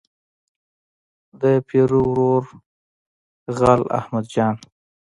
د پیرو ورور غل احمد جان.